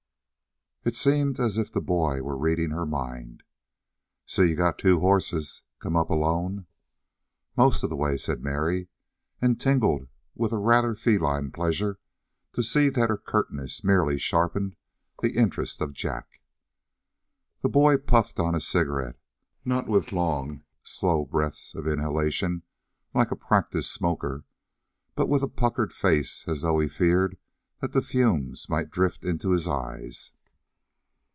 It seemed as if the boy were reading her mind. "See you got two horses. Come up alone?" "Most of the way," said Mary, and tingled with a rather feline pleasure to see that her curtness merely sharpened the interest of Jack. The boy puffed on his cigarette, not with long, slow breaths of inhalation like a practiced smoker, but with a puckered face as though he feared that the fumes might drift into his eyes.